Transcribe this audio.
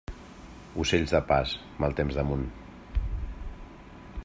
Ocells de pas, mal temps damunt.